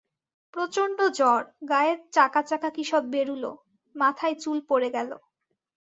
প্রচণ্ড জ্বর, গায়ে চাকাচাকা কী সব বেরুল, মাথায় চুল পড়ে গেল।